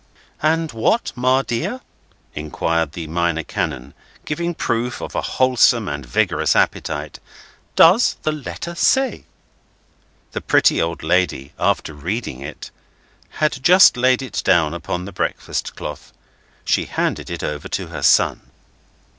"And what, Ma dear," inquired the Minor Canon, giving proof of a wholesome and vigorous appetite, "does the letter say?" The pretty old lady, after reading it, had just laid it down upon the breakfast cloth. She handed it over to her son.